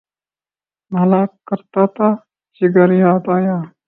نالہ کرتا تھا، جگر یاد آیا